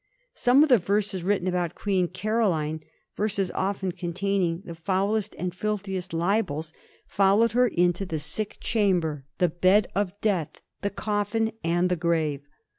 Some of the verses writ ten about Queen Caroline, verses often containing the foul est and filthiest libels, followed her into the sick chamber. 1787. EDUCATED LIBELLERS. 103 the bed of death, the coffin, and the grave.